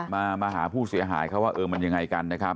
มาหาผู้เสียหายเขาว่าเออมันยังไงกันนะครับ